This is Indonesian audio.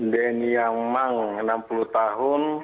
deni yangmang enam puluh tahun